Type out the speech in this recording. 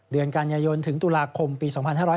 เดือนกันยายนถึงตุลาคมปี๒๕๕๙